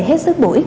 hết sức bổ ích